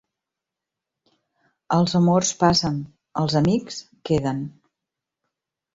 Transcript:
Els amors passen, els amics queden.